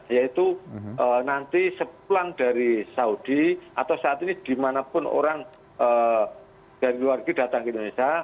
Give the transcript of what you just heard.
yaitu nanti sepulang dari saudi atau saat ini dimanapun orang dari luar negeri datang ke indonesia